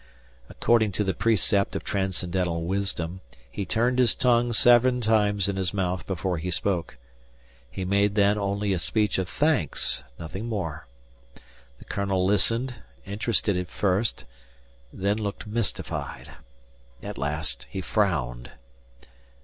According to the precept of transcendental wisdom, he turned his tongue seven times in his mouth before he spoke. He made then only a speech of thanks, nothing more. The colonel listened interested at first, then looked mystified. At last he frowned.